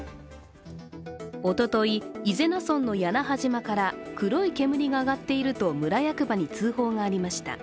おととい、伊是名村の屋那覇島から黒い煙が上がっていると村役場に通報がありました。